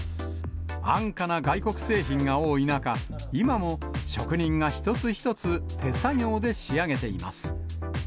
安価な外国製品が多い中、今も職人が一つ一つ、手作業で仕上げています。